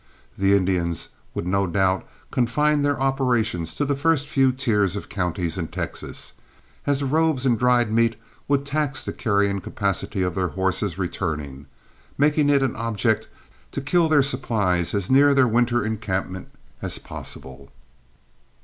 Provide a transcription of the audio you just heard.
The Indians would no doubt confine their operations to the first few tiers of counties in Texas, as the robes and dried meat would tax the carrying capacity of their horses returning, making it an object to kill their supplies as near their winter encampment as possible.